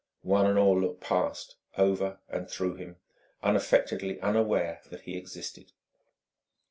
One and all looked past, over, and through him, unaffectedly unaware that he existed.